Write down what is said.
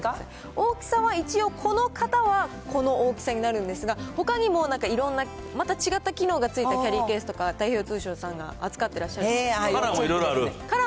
大きさは一応、この型はこの大きさになるんですが、ほかにもなんか、いろんなまた違った機能がついたキャリーケースとか太平洋通商さんが扱ってらっしゃるので。